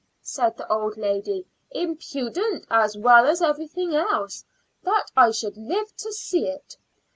said the old lady; "impudent as well as everything else. That I should live to see it!